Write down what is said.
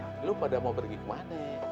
eh lo pada mau pergi kemana